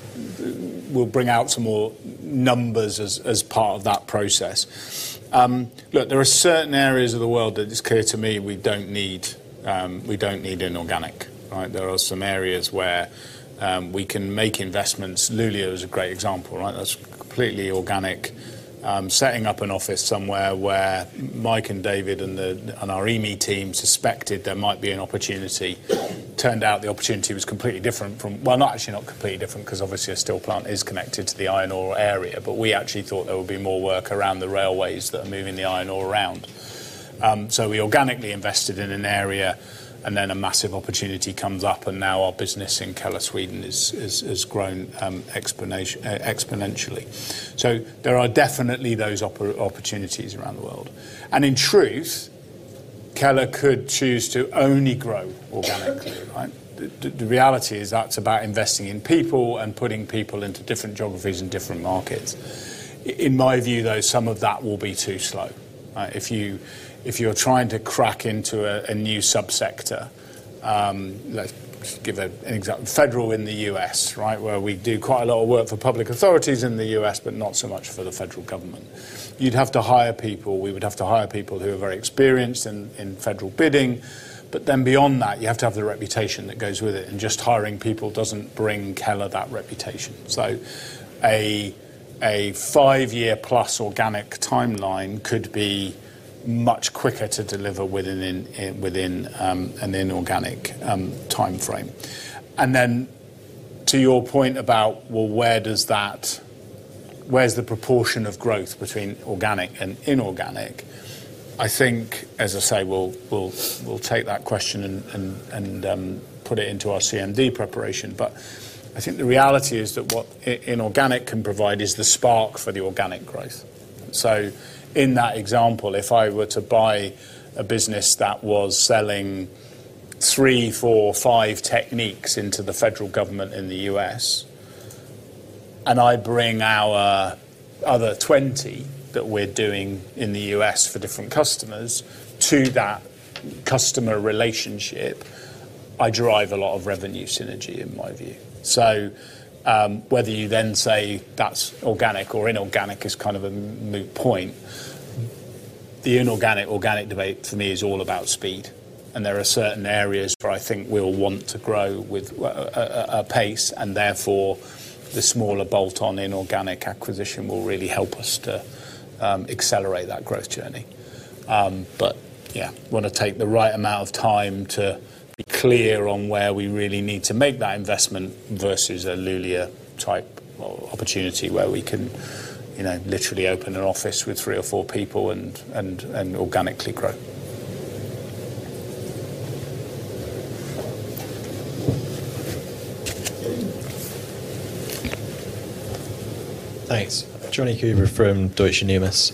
we'll bring out some more numbers as part of that process. Look, there are certain areas of the world that it's clear to me we don't need, we don't need inorganic, right? There are some areas where, we can make investments. Luleå is a great example, right? That's completely organic. Setting up an office somewhere where Mike and David and our EME team suspected there might be an opportunity. Turned out the opportunity was completely different from... Not actually not completely different 'cause obviously a steel plant is connected to the iron ore area. We actually thought there would be more work around the railways that are moving the iron ore around. We organically invested in an area and then a massive opportunity comes up and now our business in Keller Sweden is grown exponentially. There are definitely those opportunities around the world. In truth, Keller could choose to only grow organically, right? The reality is that's about investing in people and putting people into different geographies and different markets. In my view, though, some of that will be too slow. If you, if you're trying to crack into a new subsector, let's give an example. Federal in the U.S., right? Where we do quite a lot of work for public authorities in the U.S., but not so much for the federal government. You'd have to hire people. We would have to hire people who are very experienced in federal bidding. Beyond that, you have to have the reputation that goes with it. Just hiring people doesn't bring Keller that reputation. A five-year-plus organic timeline could be much quicker to deliver within an inorganic timeframe. To your point about, well, where does that where's the proportion of growth between organic and inorganic? I think, as I say, we'll take that question and put it into our CMD preparation. I think the reality is that what inorganic can provide is the spark for the organic growth. In that example, if I were to buy a business that was selling three, four, five techniques into the federal government in the U.S., and I bring our other 20 that we're doing in the U.S. for different customers to that customer relationship, I drive a lot of revenue synergy, in my view. Whether you then say that's organic or inorganic is kind of a moot point. The inorganic organic debate to me is all about speed, and there are certain areas where I think we'll want to grow with a pace and therefore the smaller bolt-on inorganic acquisition will really help us to accelerate that growth journey. Yeah, wanna take the right amount of time to be clear on where we really need to make that investment versus a Luleå type opportunity where we can, you know, literally open an office with three or four people and organically grow. Thanks. Toby Griver from Deutsche Numis.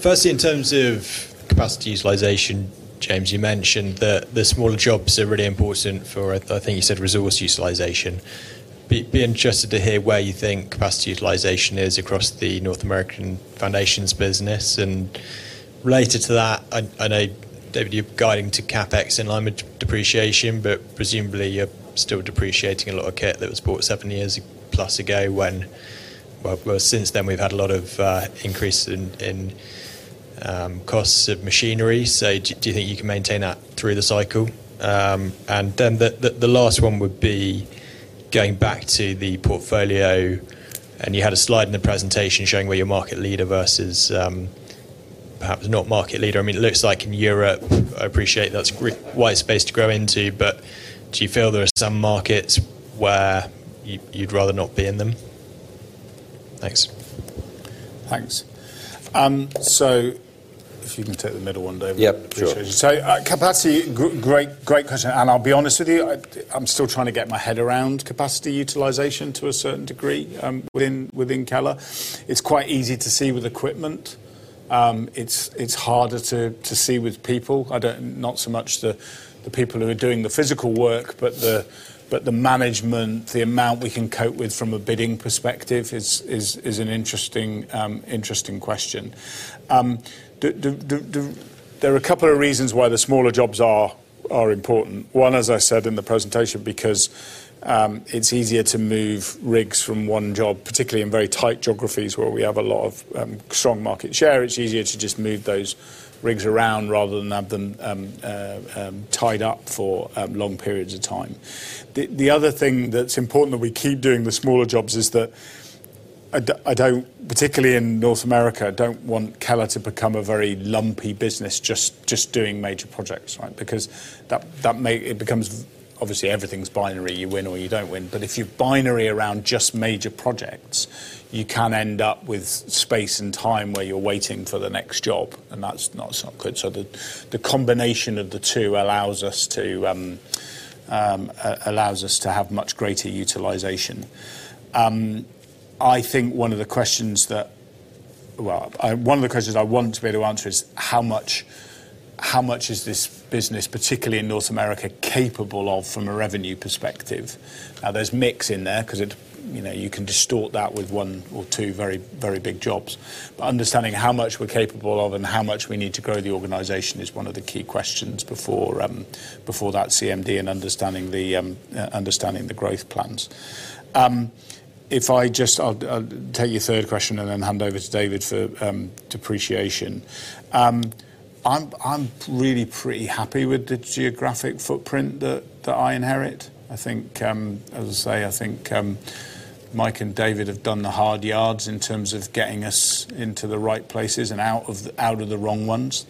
Firstly, in terms of capacity utilization, James, you mentioned that the smaller jobs are really important for, I think you said resource utilization. Being interested to hear where you think capacity utilization is across the North American Foundations business. Related to that, I know David, you're guiding to CapEx in line with depreciation, but presumably you're still depreciating a lot of kit that was bought seven years plus ago when. Well, since then, we've had a lot of increase in costs of machinery. Do you think you can maintain that through the cycle? The last one would be going back to the portfolio, and you had a slide in the presentation showing where you're market leader versus, perhaps not market leader. I mean, it looks like in Europe, I appreciate that's white space to grow into, but do you feel there are some markets where you'd rather not be in them? Thanks. Thanks. If you can take the middle one, David. Yep, sure. Capacity. Great, great question, and I'll be honest with you, I'm still trying to get my head around capacity utilization to a certain degree within Keller. It's quite easy to see with equipment. It's harder to see with people. I don't. Not so much the people who are doing the physical work, but the management, the amount we can cope with from a bidding perspective is an interesting question. There are a couple of reasons why the smaller jobs are important. One, as I said in the presentation, because it's easier to move rigs from one job, particularly in very tight geographies where we have a lot of strong market share. It's easier to just move those rigs around rather than have them tied up for long periods of time. The other thing that's important that we keep doing the smaller jobs is that I don't, particularly in North America, don't want Keller to become a very lumpy business just doing major projects, right? Because that it becomes obviously everything's binary, you win or you don't win. But if you're binary around just major projects, you can end up with space and time where you're waiting for the next job, and that's not so good. The combination of the two allows us to have much greater utilization. I think one of the questions I want to be able to answer is how much is this business, particularly in North America, capable of from a revenue perspective? Now, there's mix in there 'cause it, you know, you can distort that with one or two very, very big jobs. Understanding how much we're capable of and how much we need to grow the organization is one of the key questions before before that CMD and understanding the growth plans. I'll take your third question and then hand over to David for depreciation. I'm really pretty happy with the geographic footprint that I inherit. I think, as I say, I think, Mike and David have done the hard yards in terms of getting us into the right places and out of, out of the wrong ones.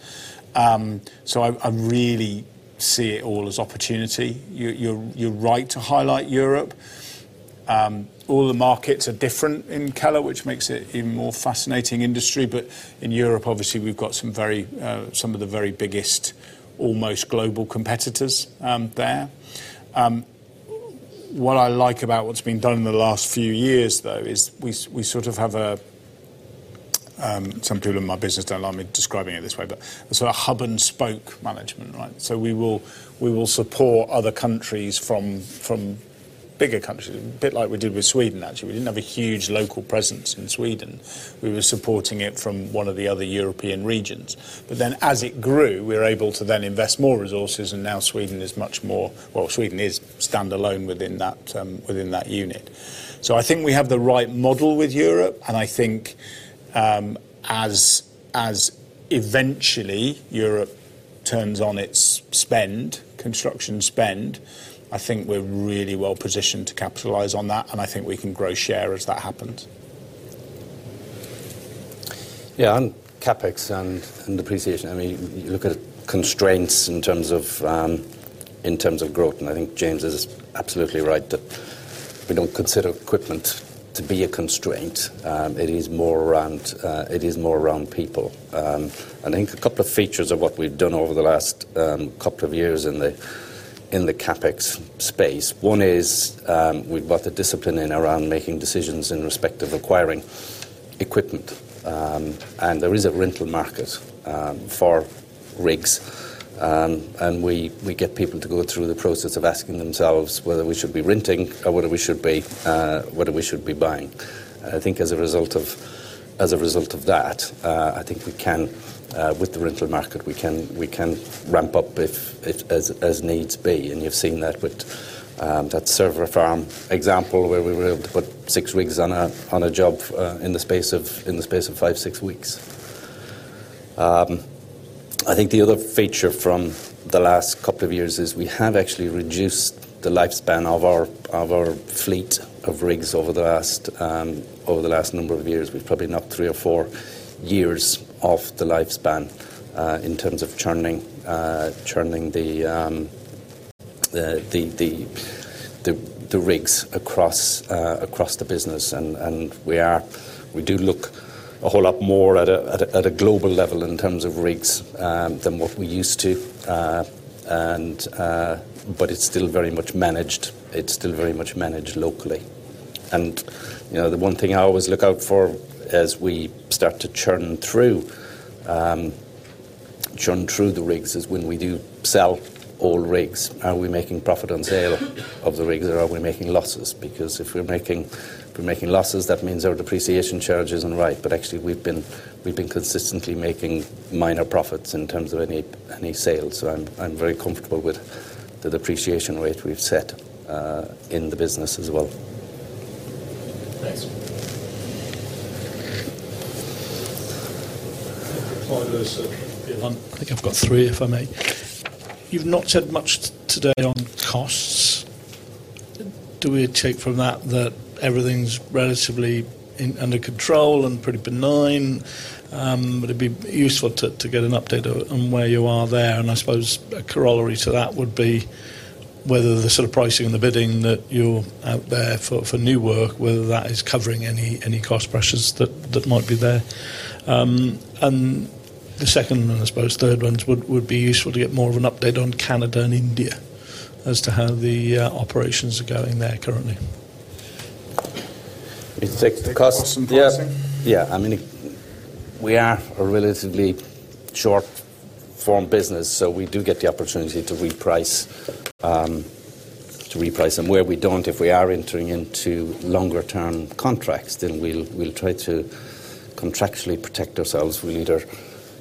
I really see it all as opportunity. You're right to highlight Europe. All the markets are different in Keller, which makes it even more fascinating industry. In Europe, obviously, we've got some very, some of the very biggest, almost global competitors, there. What I like about what's been done in the last few years, though, is we sort of have a, some people in my business don't like me describing it this way, but a sort of hub and spoke management, right? We will support other countries from bigger countries, a bit like we did with Sweden, actually. We didn't have a huge local presence in Sweden. We were supporting it from one of the other European regions. As it grew, we were able to then invest more resources, and now Sweden is much more. Well, Sweden is standalone within that unit. I think we have the right model with Europe, and I think, as eventually Europe turns on its spend, construction spend, I think we're really well positioned to capitalize on that, and I think we can grow share as that happens. Yeah, on CapEx and depreciation, I mean, you look at constraints in terms of growth, and I think James is absolutely right that we don't consider equipment to be a constraint. It is more around people. I think a couple of features of what we've done over the last couple of years in the CapEx space, one is, we've brought the discipline in around making decisions in respect of acquiring equipment. There is a rental market for rigs. We get people to go through the process of asking themselves whether we should be renting or whether we should be buying. I think as a result of that, I think we can, with the rental market, we can ramp up if as needs be. You've seen that with that server farm example where we were able to put six rigs on a job in the space of five, six weeks. I think the other feature from the last couple of years is we have actually reduced the lifespan of our fleet of rigs over the last number of years. We've probably knocked three or four years off the lifespan in terms of churning the rigs across the business. We do look a whole lot more at a global level in terms of rigs than what we used to. It's still very much managed, it's still very much managed locally. You know, the one thing I always look out for as we start to churn through the rigs is when we do sell old rigs. Are we making profit on sale of the rigs or are we making losses? If we're making losses, that means our depreciation charge isn't right. Actually, we've been consistently making minor profits in terms of any sales. I'm very comfortable with the depreciation rate we've set in the business as well. Thanks. Hi, there, sir. I think I've got three, if I may. You've not said much today on costs. Do we take from that that everything's relatively in under control and pretty benign? Would it be useful to get an update on where you are there? I suppose a corollary to that would be whether the sort of pricing and the bidding that you're out there for new work, whether that is covering any cost pressures that might be there. The second and I suppose third ones would be useful to get more of an update on Canada and India as to how the operations are going there currently. You take the costs. The costs and pricing. Yeah. Yeah. I mean, we are a relatively short-form business, so we do get the opportunity to reprice. Where we don't, if we are entering into longer term contracts, then we'll try to contractually protect ourselves.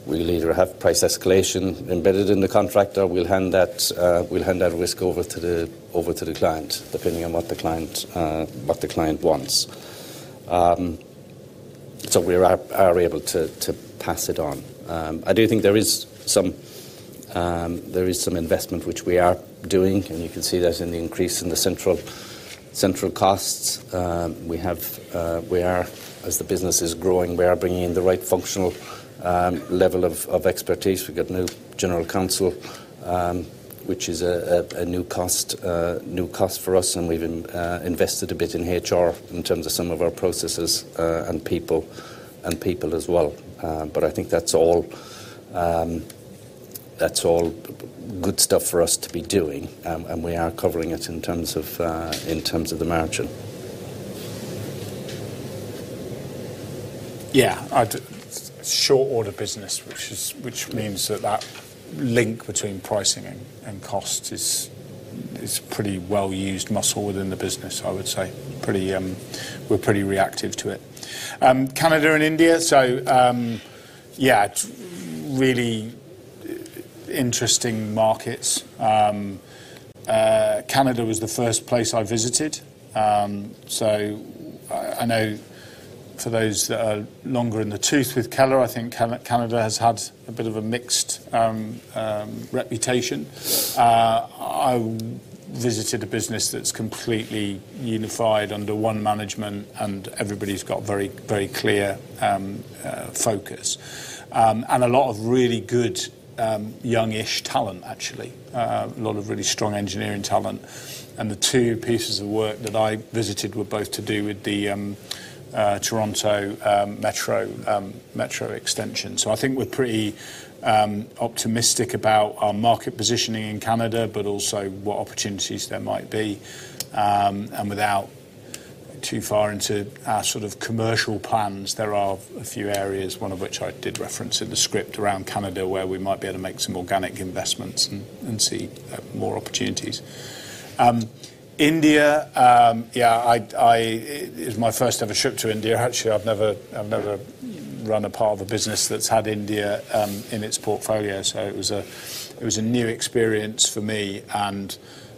We'll either have price escalation embedded in the contract or we'll hand that risk over to the client, depending on what the client wants. We are able to pass it on. I do think there is some investment which we are doing, and you can see that in the increase in the central costs. We have, as the business is growing, we are bringing in the right functional level of expertise. We've got new general counsel, which is a new cost for us, and we've invested a bit in HR in terms of some of our processes and people as well. I think that's all good stuff for us to be doing. We are covering it in terms of the margin. Short order business, which means that link between pricing and cost is pretty well-used muscle within the business, I would say. Pretty. We're pretty reactive to it. Canada and India, so, it's really interesting markets. Canada was the first place I visited. So I know for those that are longer in the tooth with Keller, I think Canada has had a bit of a mixed reputation. I visited a business that's completely unified under one management, and everybody's got very clear focus. And a lot of really good young-ish talent, actually. A lot of really strong engineering talent. And the two pieces of work that I visited were both to do with the Toronto Metro extension. I think we're pretty optimistic about our market positioning in Canada, but also what opportunities there might be. Without too far into our sort of commercial plans, there are a few areas, one of which I did reference in the script around Canada, where we might be able to make some organic investments and see more opportunities. India, yeah, it was my first ever trip to India. Actually, I've never, I've never run a part of a business that's had India in its portfolio, so it was a, it was a new experience for me and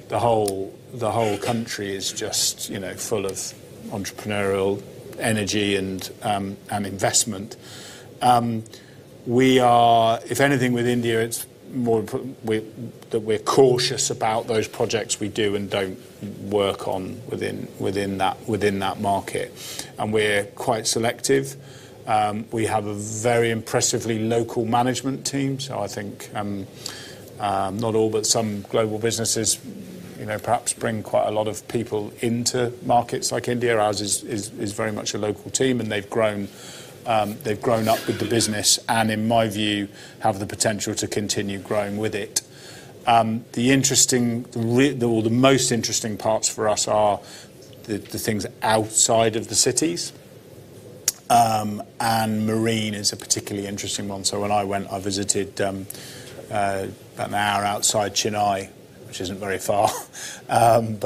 the whole, the whole country is just, you know, full of entrepreneurial energy and investment. If anything with India, that we're cautious about those projects we do and don't work on within that market. We're quite selective. We have a very impressively local management team. I think, not all, but some global businesses, you know, perhaps bring quite a lot of people into markets like India. Ours is very much a local team, and they've grown up with the business, and in my view, have the potential to continue growing with it. The most interesting parts for us are the things outside of the cities. Marine is a particularly interesting one. When I went, I visited about an hour outside Chennai, which isn't very far. An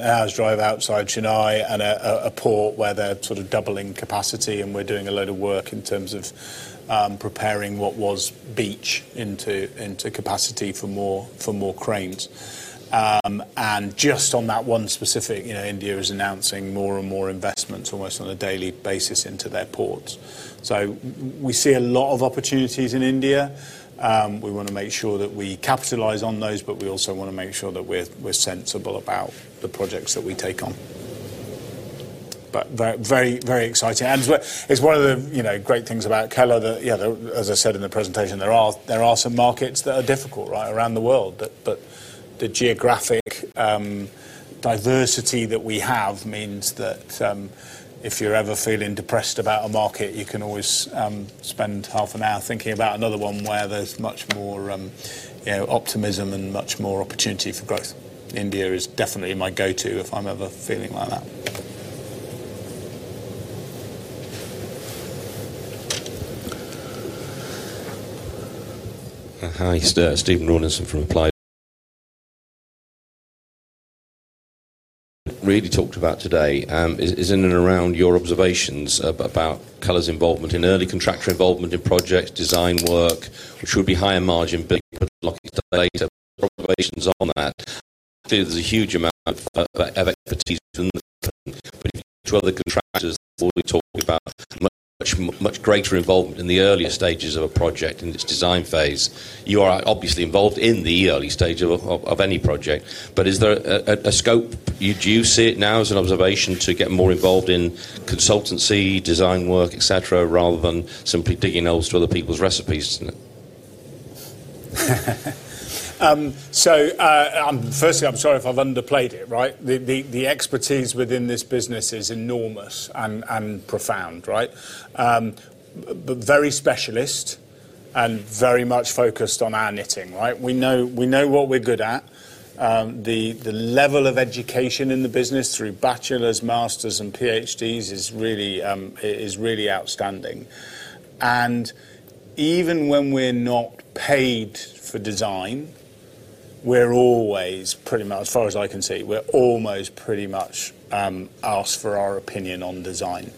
hour's drive outside Chennai at a port where they're sort of doubling capacity, and we're doing a load of work in terms of preparing what was beach into capacity for more cranes. Just on that one specific, you know, India is announcing more and more investments almost on a daily basis into their ports. We see a lot of opportunities in India. We wanna make sure that we capitalize on those, but we also wanna make sure that we're sensible about the projects that we take on. Very, very exciting. It's one of the, you know, great things about Keller that, you know, as I said in the presentation, there are some markets that are difficult, right, around the world. The geographic diversity that we have means that, if you're ever feeling depressed about a market, you can always spend half an hour thinking about another one where there's much more, you know, optimism and much more opportunity for growth. India is definitely my go-to if I'm ever feeling like that. Hi, Stephen Rawlinson from Applied Value. Really talked about today, is in and around your observations about Keller's involvement in early contractor involvement in projects, design work, which would be higher margin bill later observations on that. There's a huge amount of expertise within the company. If you talk to other contractors before we talked about much greater involvement in the earlier stages of a project in its design phase. You are obviously involved in the early stage of any project. Is there a scope do you see it now as an observation to get more involved in consultancy, design work, et cetera, rather than simply digging holes to other people's recipes? Firstly, I'm sorry if I've underplayed it, right? The expertise within this business is enormous and profound, right? Very specialist and very much focused on our knitting, right? We know what we're good at. The level of education in the business through bachelor's, master's, and PhDs is really outstanding. Even when we're not paid for design. We're always pretty much, as far as I can see, we're almost pretty much asked for our opinion on design.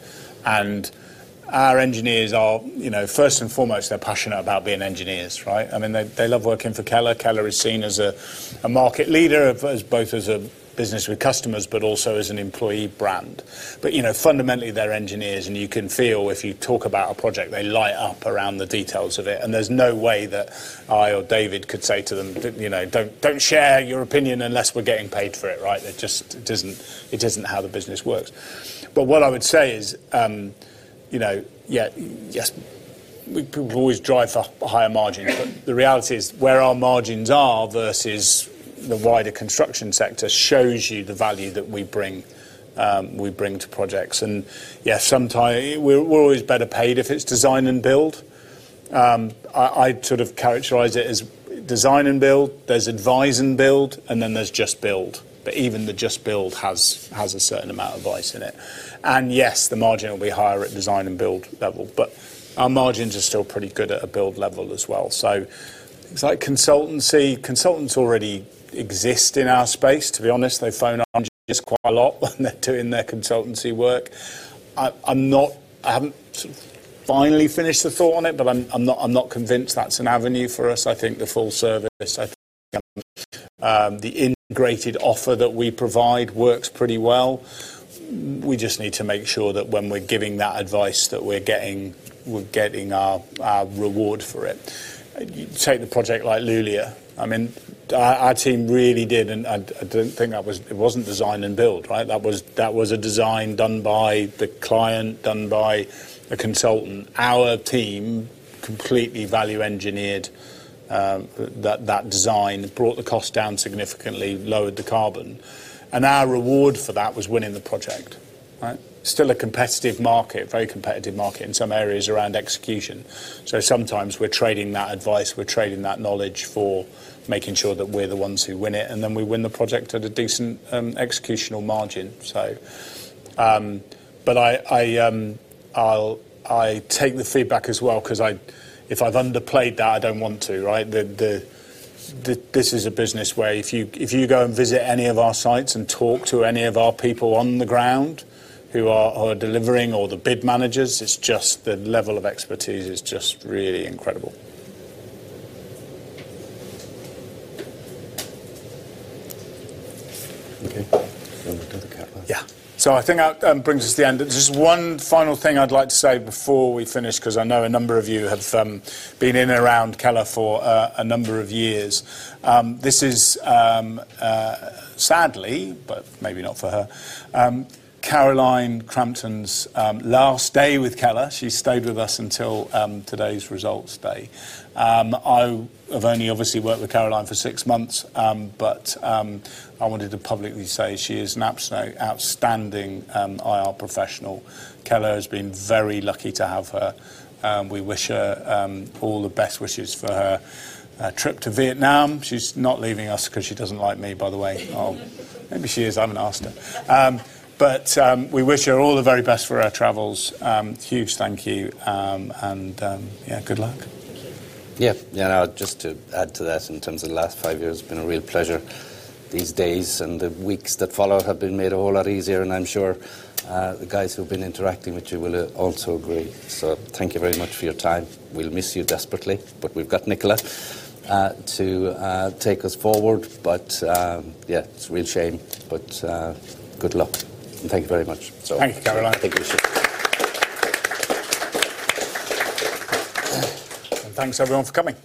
Our engineers are, you know, first and foremost, they're passionate about being engineers, right? I mean, they love working for Keller. Keller is seen as a market leader of, as both as a business with customers, but also as an employee brand. You know, fundamentally, they're engineers, and you can feel if you talk about a project, they light up around the details of it. There's no way that I or David could say to them, "Don't, you know, don't share your opinion unless we're getting paid for it," right? It doesn't, it isn't how the business works. What I would say is, you know, yeah, yes, people always drive for higher margins, but the reality is where our margins are versus the wider construction sector shows you the value that we bring, we bring to projects. Yeah, we're always better paid if it's design and build. I'd sort of characterize it as design and build. There's advise and build, and then there's just build. Even the just build has a certain amount of advice in it. Yes, the margin will be higher at design and build level, but our margins are still pretty good at a build level as well. It's like consultancy. Consultants already exist in our space, to be honest. They phone engineers quite a lot when they're doing their consultancy work. I haven't sort of finally finished the thought on it, but I'm not convinced that's an avenue for us. I think the full service, I think, the integrated offer that we provide works pretty well. We just need to make sure that when we're giving that advice that we're getting our reward for it. You take the project like Luleå. I mean, our team really did, and I don't think it wasn't design and build, right? That was a design done by the client, done by a consultant. Our team completely value-engineered, that design, brought the cost down significantly, lowered the carbon. Our reward for that was winning the project, right? Still a competitive market, very competitive market in some areas around execution. Sometimes we're trading that advice, we're trading that knowledge for making sure that we're the ones who win it, and then we win the project at a decent, executional margin, so. I take the feedback as well 'cause if I've underplayed that, I don't want to, right? This is a business where if you go and visit any of our sites and talk to any of our people on the ground who are delivering or the bid managers, it's just the level of expertise is just really incredible. Okay. We'll go to Caroline. Yeah. I think that brings us to the end. Just one final thing I'd like to say before we finish, 'cause I know a number of you have been in and around Keller for a number of years. This is, sadly, but maybe not for her, Caroline Crampton's last day with Keller. She stayed with us until today's results day. I have only obviously worked with Caroline for six months, but I wanted to publicly say she is an outstanding IR professional. Keller has been very lucky to have her, and we wish her all the best wishes for her trip to Vietnam. She's not leaving us 'cause she doesn't like me, by the way. Maybe she is. I haven't asked her. We wish her all the very best for her travels. Huge thank you, and, yeah, good luck. Thank you. Yeah. Yeah, now just to add to that in terms of the last five years, it's been a real pleasure. These days and the weeks that follow have been made a whole lot easier, and I'm sure, the guys who've been interacting with you will also agree. Thank you very much for your time. We'll miss you desperately, but we've got Nicola to take us forward. Yeah, it's a real shame, but good luck, and thank you very much. Thank you, Caroline. I think you should. Thanks everyone for coming.